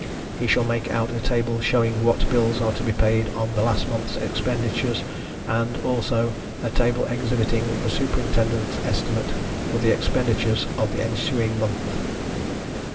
He shall make out a table showing what bills are to be paid on the last monthâ€™s expenditures, and, also, a table exhibiting the Superintendentâ€™s estimate for the expenditures of the ensuing month.